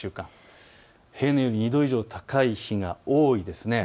平年より２度以上高い日が多いですね。